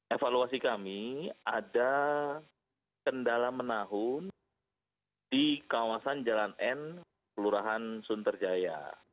evaluasi kami ada kendala menahun di kawasan jalan n kelurahan sunterjaya